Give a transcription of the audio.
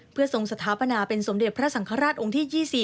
เพื่อทรงสถาปนาเป็นสมเด็จพระสังฆราชองค์ที่๒๔